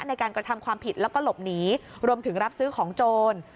ในการกระทำความผิดแล้วก็หลบหนีรวมถึงรับซื้อของโจร